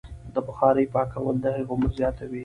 د بخارۍ پاکوالی د هغې عمر زیاتوي.